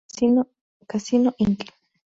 Casino, Inc.